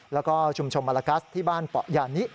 แล้วก็ชุมชนมาลากัสที่บ้านเปาะยานิ